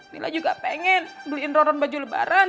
mila juga pengen beliin roron baju lebaran